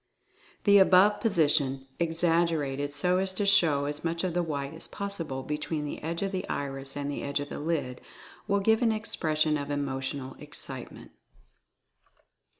The above position, exaggerated so as to show as much of the white as possible between the edge of the iris and the edge of the lid, will give an expression of Emotional Excitement.